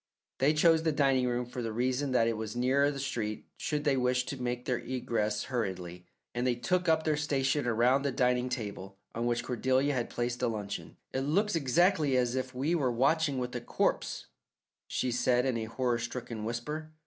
They chose the dining room for the reason that it was nearer the street should they wish to make their egress hurriedly, and they took up their station around the dining table on which Cordelia had placed a luncheon. "It looks exactly as if we were watching with a corpse," she said in a horror stricken whisper.